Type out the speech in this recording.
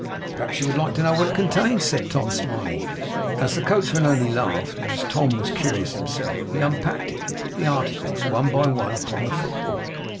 'Perhaps you would like to know what it contains?' said Tom, smiling. As the coachman only laughed, and as Tom was curious himself, he unpacked it, and put the articles, one by one, upon the footboard.